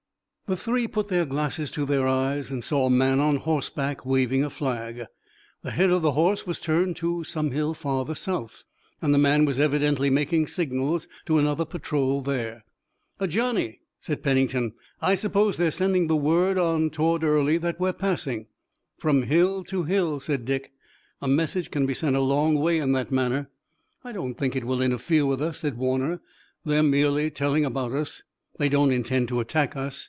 The three put their glasses to their eyes and saw a man on horseback waving a flag. The head of the horse was turned toward some hill farther south, and the man was evidently making signals to another patrol there. "A Johnny," said Pennington. "I suppose they're sending the word on toward Early that we're passing." "From hill to hill," said Dick. "A message can be sent a long way in that manner." "I don't think it will interfere with us," said Warner. "They're merely telling about us. They don't intend to attack us.